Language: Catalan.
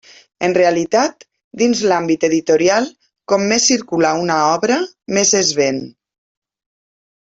En realitat, dins l'àmbit editorial, com més circula una obra, més es ven.